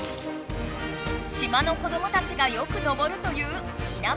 島の子どもたちがよくのぼるという稲村岳。